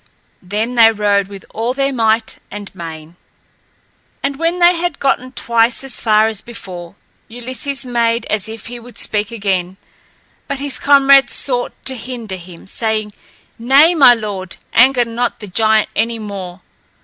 Then they rowed with all their might and main. And when they had gotten twice as far as before, Ulysses made as if he would speak again; but his comrades sought to hinder him, saying, "Nay, my lord, anger not the giant any more.